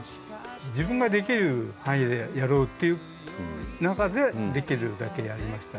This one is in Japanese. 自分ができる範囲でやろうっていう中でできるだけやりました。